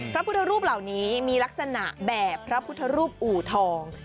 พระพุทธรูปเหล่านี้มีลักษณะแบบพระพุทธรูปอู่ทอง